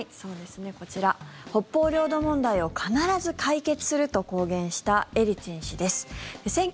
こちら、北方領土問題を必ず解決すると公言したエリツィン氏です。